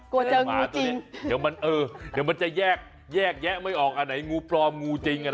กลัวเจองูจริงเดี๋ยวมันจะแยกแยะไม่ออกอันไหนงูพร้อมงูจริง